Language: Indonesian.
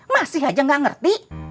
masih aja gak ngerti